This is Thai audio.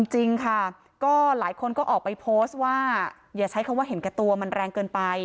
จริงค่ะก็หลายคนก็ออกไปโพสต์ว่าอย่าใช้คำว่าเห็นแก่ตัวมันแรงเกินไป